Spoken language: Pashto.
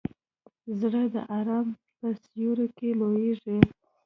زړه د ارام په سیوري کې لویېږي.